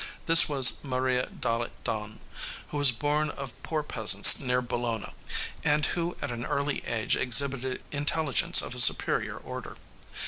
This was Maria dalle Donne, who was born of poor peasants near Bologna, and who at an early age exhibited intelligence of a superior order.